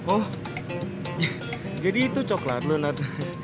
oh jadi itu coklat lo nat